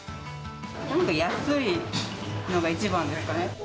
安いのが一番ですかね。